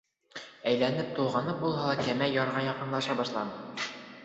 Әйләнеп-тулғанып булһа ла, кәмә ярға яҡынлаша башланы.